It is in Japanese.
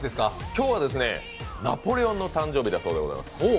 今日はナポレオンの誕生日だそうでございます。